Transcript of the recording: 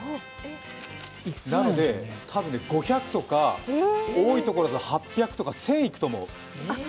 なのでたぶん５００とか多いところだと８００とか１０００いくと思う。